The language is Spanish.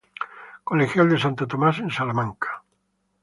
Colegial de Santo Tomás, en Salamanca.